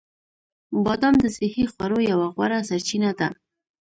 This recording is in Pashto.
بادام د صحي خوړو یوه غوره سرچینه ده.